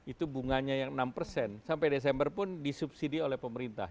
itu bunganya yang enam persen sampai desember pun disubsidi oleh pemerintah